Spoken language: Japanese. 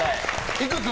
いくつ？